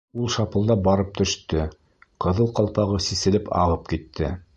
Ул шапылдап барып төштө, ҡыҙыл ҡалпағы сиселеп ағып китте.